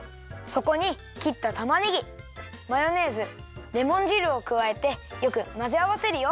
そこにきったたまねぎマヨネーズレモン汁をくわえてよくまぜあわせるよ。